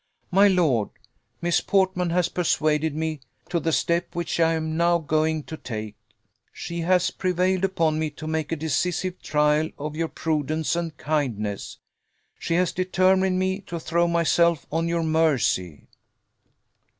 My lord, Miss Portman has persuaded me to the step which I am now going to take. She has prevailed upon me to make a decisive trial of your prudence and kindness. She has determined me to throw myself on your mercy."